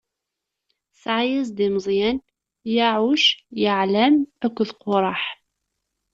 Tesɛa-as-d i Meẓyan: Yaɛuc, Yaɛlam akked Quraḥ.